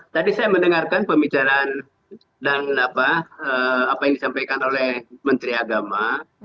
tadi saya mendengarkan pembicaraan dan apa yang disampaikan oleh menteri agama